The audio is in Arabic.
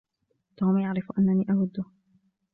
توم يعرف أنني أوده.